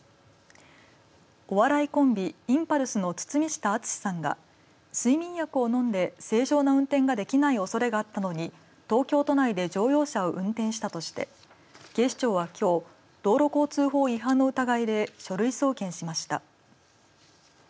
お笑いコンビインパルスの堤下敦さんが睡眠薬を飲んで正常な運転ができないおそれがあったのに東京都内で乗用車を運転したとして警視庁は、きょう道路交通法違反の疑いで書類送検しました。